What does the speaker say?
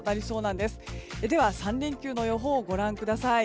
では３連休の予報をご覧ください。